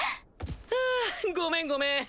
はぁごめんごめん。